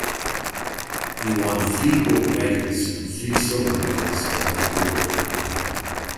He won three gold medals and three silver medals on his board.